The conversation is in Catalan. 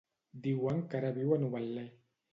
Diuen que ara viu a Novetlè.